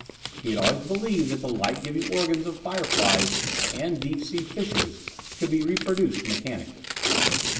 He had always believed that the light giving organs of fireflys and deep sea fishes could be reproduced mechanically.